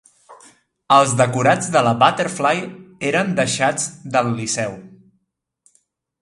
Els decorats de la Butterfly eren deixats del Liceu